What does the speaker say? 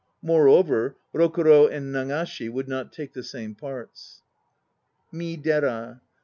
Moreover, Rokuro and Nagashi would not take the same parts. "MIIDERA.